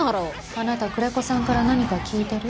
あなた久連木さんから何か聞いてる？